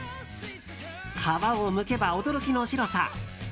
皮をむけば驚きの白さ。